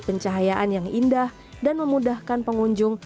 pencahayaan yang indah dan memudahkan pengunjung